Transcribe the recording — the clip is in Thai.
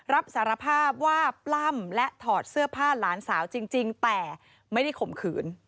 รับสารภาพว่าปล้ำและถอดเสื้อผ้าหลานสาวจริงแต่ไม่ได้ข่มขืน